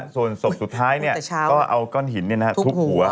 ส่วนศพสุดท้ายเนี่ยก็เอาก้อนหินเนี่ยนะฮะทุกหัวตั้งแต่เช้า